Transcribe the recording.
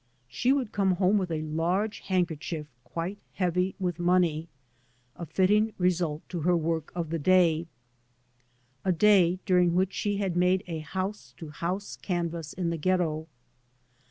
She would come home with a large handkerchief quite heavy with money, a fitting result to her work of the day, a day during which she had made a house to house canvass in the ghetto.